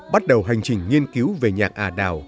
bắt đầu hành trình nghiên cứu về nhạc ả đào